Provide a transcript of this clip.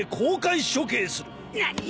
何！？